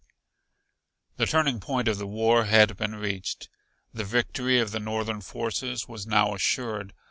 The turning point of the war had been reached; the victory of the Northern forces was now assured.